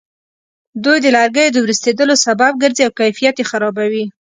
دوی د لرګیو د ورستېدلو سبب ګرځي او کیفیت یې خرابوي.